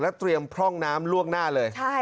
เตรียมพร่องน้ำล่วงหน้าเลย